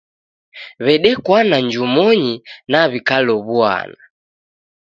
W'edekwana njumonyi na w'ikalow'uana.